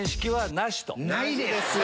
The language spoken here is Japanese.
ないです。